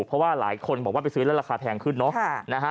เพราะว่าหลายคนบอกว่าไปซื้อแล้วราคาแพงขึ้นเนอะ